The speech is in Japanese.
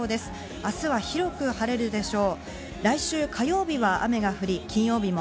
明日は広く晴れるでしょう。